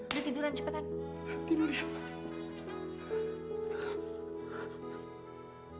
udah tiduran cepetan